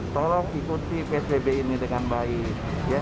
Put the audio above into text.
tolong ikuti psbb ini dengan baik